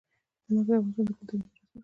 نمک د افغانستان د کلتوري میراث برخه ده.